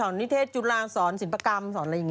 นิเทศจุฬาศสอนศิลปกรรม